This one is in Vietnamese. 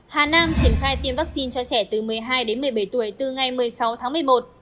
hà nam triển khai tiêm vaccine cho trẻ từ một mươi hai đến một mươi bảy tuổi từ ngày một mươi sáu tháng một mươi một